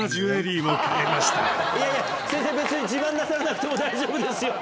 いやいや先生別に自慢なさらなくても大丈夫ですよ。